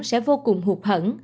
tết sẽ vô cùng hụt hẳn